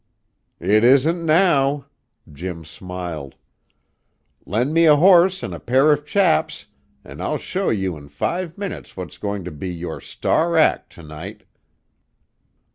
"It isn't now," Jim smiled. "Lend me a horse and a pair of chaps, and I'll show you in five minutes what's going to be your star act to night."